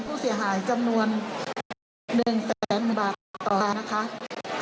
ผู้เสียหายจำนวน๑๐๐๐๐๐บาทต่อนะครับ